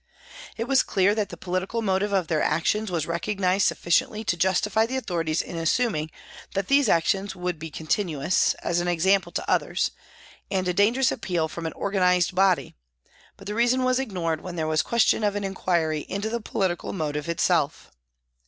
It was clear that the political motive of their actions was recognised sufficiently to justify the authorities in assuming that these actions would be continuous, an example to others, and a dangerous appeal from 22 PRISONS AND PRISONERS an organised body, but the reason was ignored when there was question of an inquiry into the political motive itself.